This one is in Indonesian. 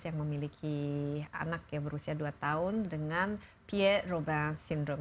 yang memiliki anak yang berusia dua tahun dengan pierre robin syndrome